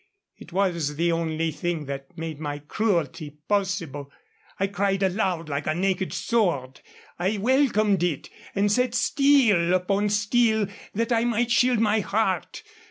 It was the only thing that made my cruelty possible. It cried aloud like a naked sword. I welcomed it, and set steel upon steel that I might shield my heart.